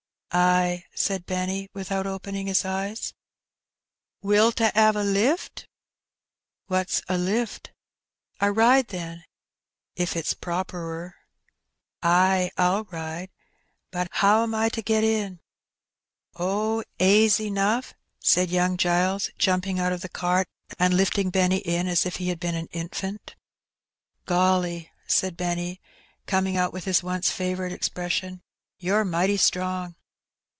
"Ay," said Benny, without opening his eyes. '^Wilt a *ave a lift?" " What^s a lift ?"" A ride, then, if it^s properer." " Ay, ril ride ; but 'oVm I to get in ?''" Oh, aisy 'nough," said young Giles, jumping out of the cart and lifting Benny in as if he had been an infant. 216 Heb Bennt. "Gollj/* said Benny^ coming out with his once &voiirite expression^ '^you're mighty strong!"